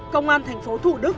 công an thành phố thủ đức